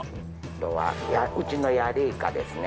今日はうちのヤリイカですね。